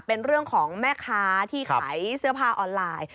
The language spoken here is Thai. เป็นเรื่องของแม่ค้าที่ขายเสื้อผ้าออนไลน์